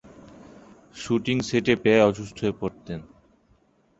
Shooting সেটে প্রায়ই অসুস্থ হয়ে পড়তেন।